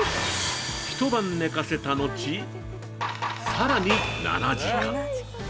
一晩寝かせたのち、さらに７時間。